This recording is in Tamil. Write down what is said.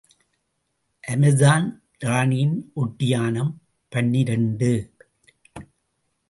அமெசான் இராணியின் ஒட்டியாணம் பனிரண்டு .